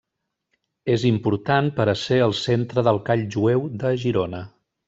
És important per esser el centre del Call Jueu de Girona.